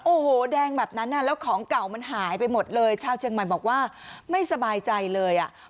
โอ้โหแดงแบบนั้นแล้วของเก่ามันหายไปหมดเลยชาวเชียงใหม่บอกว่าไม่สบายใจเลยอ่ะ